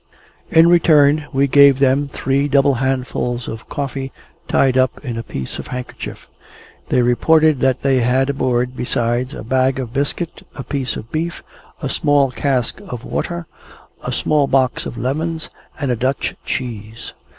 In return, we gave them three double handfuls of coffee, tied up in a piece of a handkerchief; they reported that they had aboard besides, a bag of biscuit, a piece of beef, a small cask of water, a small box of lemons, and a Dutch cheese.